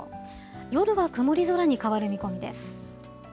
夜は曇り空に変わる見込みです。